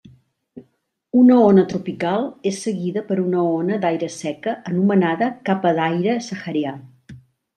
Una ona tropical és seguida per una ona d'aire seca anomenada capa d'aire saharià.